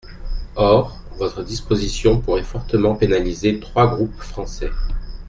Or, votre disposition pourrait fortement pénaliser trois groupes français.